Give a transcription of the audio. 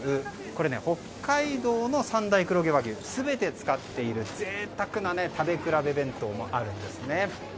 北海道の三大黒毛和牛を全て使っている贅沢な食べ比べ弁当もあるんですね。